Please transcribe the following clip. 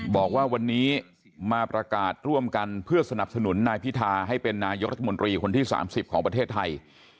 บอกว่าวันนี้มาประกาศร่วมกันเพื่อสนับสนุนนายพิธาให้เป็นนายกรัฐมนตรีคนที่๓๐ของประเทศไทย